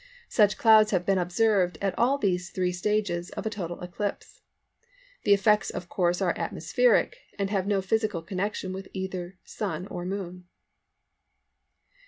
Such clouds have been observed at all these three stages of a total eclipse. The effects of course are atmospheric, and have no physical connection with either Sun or Moon.